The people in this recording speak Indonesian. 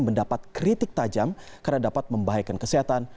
mendapat kritik tajam karena dapat membahayakan kesehatan